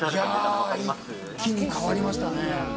一気に変わりましたね。